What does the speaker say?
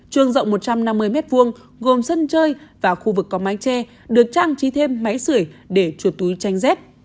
trường rộng một trăm năm mươi m hai gồm sân chơi và khu vực có mái tre được trang trí thêm máy sửa để chuột túi tranh dép